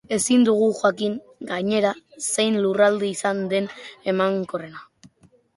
Ezin dugu jakin, gainera, zein lurralde izan den emankorrena.